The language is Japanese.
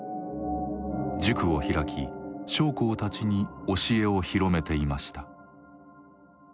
塾を開き将校たちに教えを広めていました。